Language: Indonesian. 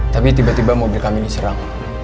tapi tiba tiba mobil kami diserang